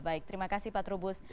baik terima kasih pak trubus